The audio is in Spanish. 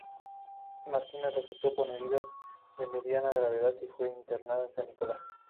Martínez resultó con heridas de mediana gravedad y fue internado en San Nicolás.